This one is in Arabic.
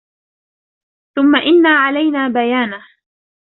ثُمَّ إِنَّ عَلَيْنَا بَيَانَهُ